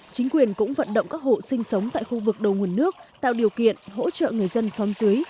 chính quyền cũng vận động các hộ sinh sống tại khu vực đầu nguồn nước tạo điều kiện hỗ trợ người dân xóm dưới